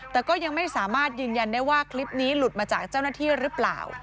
แต่ก็ยังไม่สามารถยืนยันได้ว่าคลิปนี้หลุดมาจากเจ้าหน้าที่หรือเปล่า